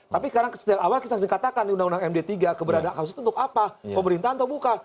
tapi sekarang awal kita harus katakan di undang undang md tiga keberadaan kasus itu untuk apa pemerintahan atau buka